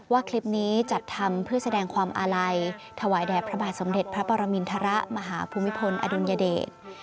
ว่าคลิปนี้จัดทำเพื่อแสดงความอาลัยถวายแด่พระบาทสมเด็จพระปรมินทรมาหาภูมิพลอดุลยเดช